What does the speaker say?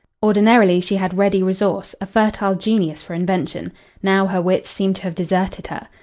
Ordinarily she had ready resource, a fertile genius for invention. Now her wits seemed to have deserted her.